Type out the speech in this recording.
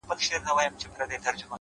ژوند مي د هوا په لاس کي وليدی-